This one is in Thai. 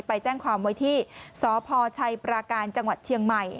ไปแจ้งความไว้ที่สพชัยปราการจังหวัดเชียงใหม่